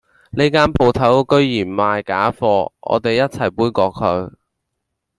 呢間舖頭居然賣假貨我哋一齊杯葛佢